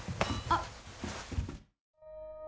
あっ！